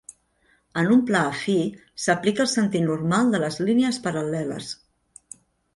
En un pla afí, s'aplica el sentit normal de les línies paral·leles.